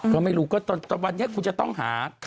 ก็ไม่รู้ก็แต่วันนี้คุณจะต้องหา